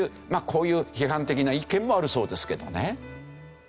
こういう批判的な意見もあるそうですけどね。